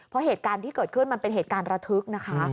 เพราะเหตุการณ์ที่เกิดขึ้นมันเป็นเหตุการณ์ระทึกนะคะ